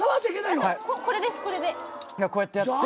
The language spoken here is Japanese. こうやってやって。